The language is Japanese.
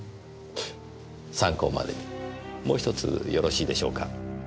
参考までにもう一つよろしいでしょうか？